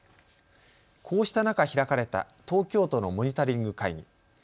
こうした中、開かれた東京都のモニタリング会議。